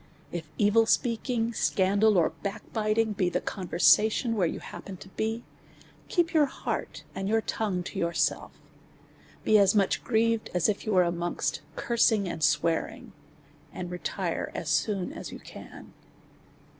If evil speaking, scandal, or backbiting, be the con versation where you happen to be, keep your heart and your tongue to yourself; be as much grieved as if you was amongst cursing and swearing, and retire as .soon as you can.